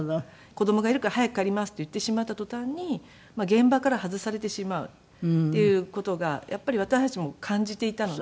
子供がいるから早く帰りますって言ってしまった途端に現場から外されてしまうっていう事がやっぱり私たちも感じていたので。